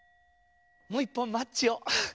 もう１ぽんマッチを。